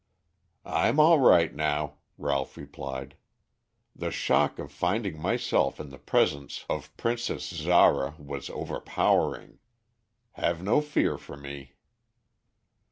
"I'm all right now," Ralph replied. "The shock of finding myself in the presence of Princess Zara was overpowering. Have no fear for me."